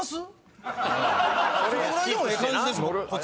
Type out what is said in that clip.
そのぐらいでもええ感じです。